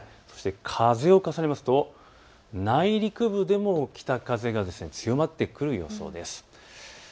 風を重ねますと内陸部でも北風、強まってくる予想です。